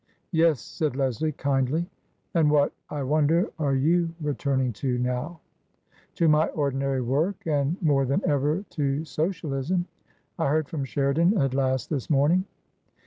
" Yes," said Leslie, kindly. " And what, I wonder, are you returning to now ?"*' To my ordinary work, and more than ever to So cialism. I heard from Sheridan at last this morning."